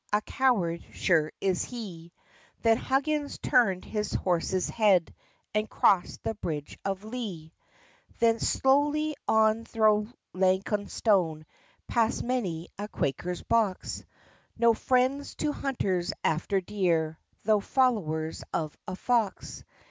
A coward sure is he": Then Huggins turned his horse's head, And crossed the bridge of Lea. Thence slowly on thro' Laytonstone, Past many a Quaker's box, No friends to hunters after deer, Tho' followers of a Fox.